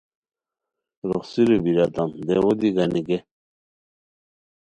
روخڅیرو بیریتام دیوؤ دی گانی گئے